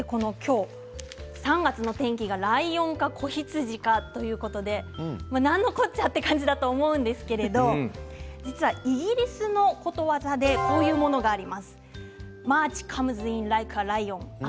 ３月の天気がライオンか子羊かということで何のこっちゃ、という感じだと思うんですけれど実はイギリスのことわざでこういうものがあります。